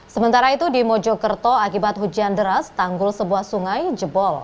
sementara itu di mojokerto akibat hujan deras tanggul sebuah sungai jebol